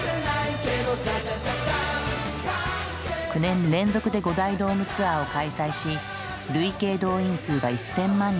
９年連続で５大ドームツアーを開催し累計動員数が１，０００万人を超えるなど